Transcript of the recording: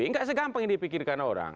nggak segampang yang dipikirkan orang